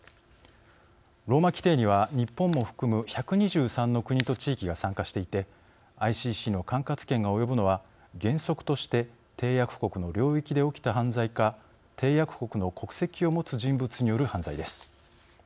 ローマ規程には、日本も含む１２３の国と地域が参加していてＩＣＣの管轄権が及ぶのは原則として締約国の領域で起きた犯罪か締約国の国籍を持つ人物による犯罪です。